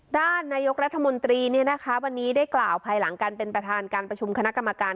ด้านนายกรัฐมนตรีวันนี้ได้กล่าวภายหลังการเป็นประธานการประชุมคณะกรรมการ